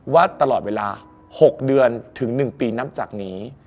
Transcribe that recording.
ว่าตลอดเวลา๖เดือนถึง๑ปีนับจากนี้